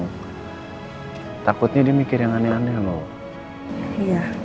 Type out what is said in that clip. hai takutnya dia mikir yang aneh aneh loh